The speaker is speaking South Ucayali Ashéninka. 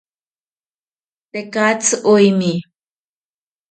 Tekatzi oemi